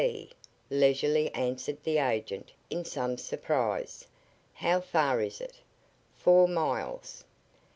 "P ," leisurely answered the agent, in some surprise. "How far is it?" "Four miles."